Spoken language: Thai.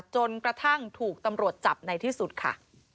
จนกระทั่งถูกตำรวจจับในที่สุดค่ะ